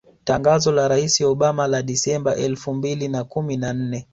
Tangazo la Rais Obama la Disemba elfu mbili na kumi na nne